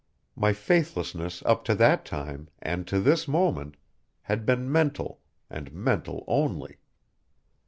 My faithlessness up to that time, and to this moment, had been mental and mental only.